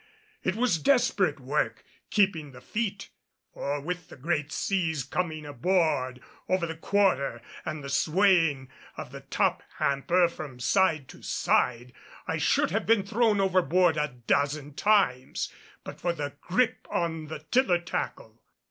It was desperate work keeping the feet; for with the great seas coming aboard over the quarter and the swaying of the top hamper from side to side I should have been thrown overboard a dozen times but for the gripe upon the tiller tackle.